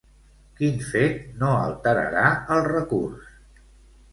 Quin fet no alterarà el recurs?